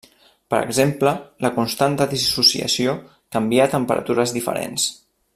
Per exemple, la constant de dissociació canvia a temperatures diferents.